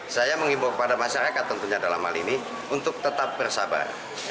saya mengimbau kepada masyarakat tentunya dalam hal ini untuk tetap bersabar